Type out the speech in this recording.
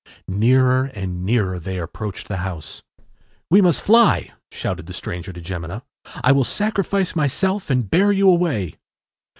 Nearer and nearer they approached the house. “We must fly,” shouted the stranger to Jemina. “I will sacrifice myself and bear you away.